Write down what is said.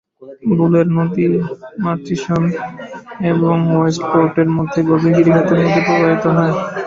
বুলের নদী মারচিসন এবং ওয়েস্টপোর্টের মধ্যে গভীর গিরিখাতের মধ্য দিয়ে প্রবাহিত হয়।